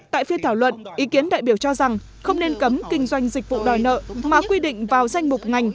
tại phiên thảo luận ý kiến đại biểu cho rằng không nên cấm kinh doanh dịch vụ đòi nợ mà quy định vào danh mục ngành